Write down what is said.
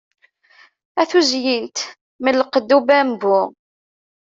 A tuzyint mm lqedd ubabmbu!